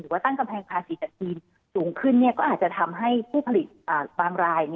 ว่าตั้งกำแพงภาษีจากจีนสูงขึ้นก็อาจจะทำให้ผู้ผลิตบางราย